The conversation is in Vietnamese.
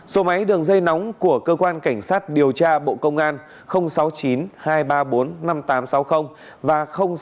số máy đường dây nóng của cơ quan cảnh sát điều tra bộ công an sáu mươi chín hai trăm ba mươi bốn năm nghìn tám trăm sáu mươi và sáu mươi chín hai trăm ba mươi hai một nghìn sáu trăm